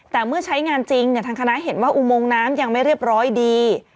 แต่เมื่อใช้งานจริงทางคณะเห็นว่าอุโมงน้ำยังไม่เรียบร้อยดี